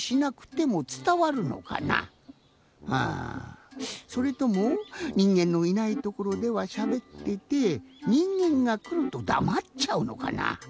あそれともにんげんのいないところではしゃべっててにんげんがくるとだまっちゃうのかな。